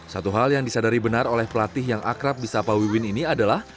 satu hal yang disadari benar oleh pelatih yang akrab di sapa wiwin ini adalah